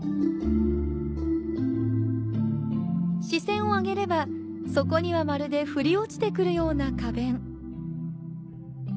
視線を上げれば、そこにはまるで振り落ちてくるような花弁。